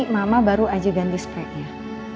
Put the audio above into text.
mama baru aja ganti speknya